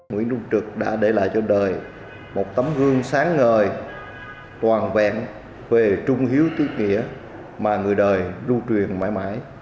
nguyễn đông trực đã để lại cho đời một tấm gương sáng ngời toàn vẹn về trung hiếu tuyết nghĩa mà người đời lưu truyền mãi mãi